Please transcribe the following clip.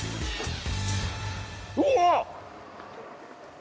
うわっ！